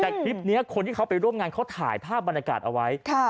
แต่คลิปนี้คนที่เขาไปร่วมงานเขาถ่ายภาพบรรยากาศเอาไว้